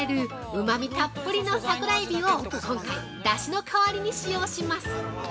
うまみたっぷりの桜えびを今回、だしの代わりに使用します。